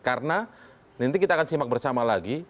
karena nanti kita akan simak bersama lagi